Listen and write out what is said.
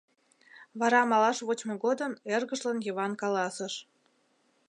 Вара малаш вочмо годым эргыжлан Йыван каласыш: